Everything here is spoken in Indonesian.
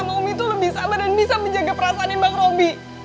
abah sama umi tuh lebih sabar dan bisa menjaga perasaan bang robi